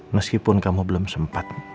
meskipun kamu belum sempat